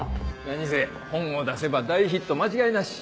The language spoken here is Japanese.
何せ本を出せば大ヒット間違いなし！